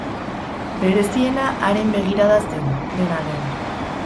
Bereziena haren begirada zen, dena den.